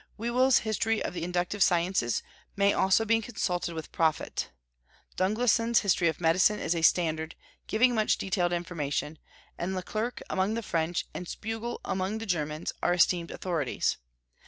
Whewell's History of the Inductive Sciences may also be consulted with profit. Dunglison's History of Medicine is a standard, giving much detailed information, and Leclerc among the French and Speugel among the Germans are esteemed authorities.